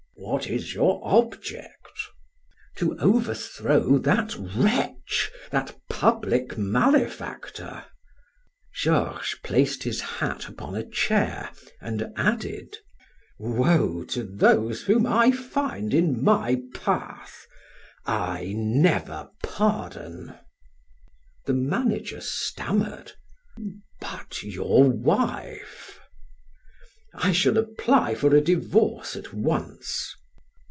"What is your object?" "To overthrow that wretch, that public malefactor." Georges placed his hat upon a chair and added: "Woe to those whom I find in my path. I never pardon." The manager stammered: "But your wife?" "I shall apply for a divorce at once."